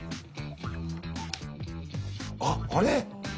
あっあれ？